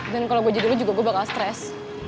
dan kalo gue jadi lo juga gue bakal stress